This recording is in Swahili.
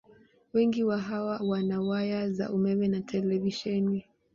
Wengi wa hawa wana waya za umeme na televisheni.